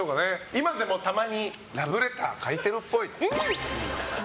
今でもたまにラブレター書いてるっぽい。